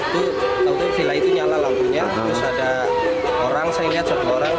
itu villa itu nyala lampunya terus ada orang saya lihat satu orang